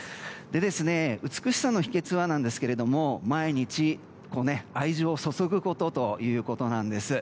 美しさの秘訣は毎日、愛情を注ぐことということです。